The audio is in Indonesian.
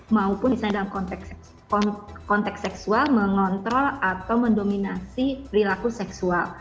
maupun misalnya dalam konteks seksual mengontrol atau mendominasi perilaku seksual